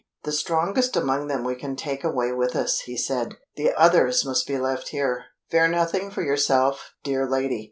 "The strongest among them we can take away with us," he said. "The others must be left here. Fear nothing for yourself, dear lady.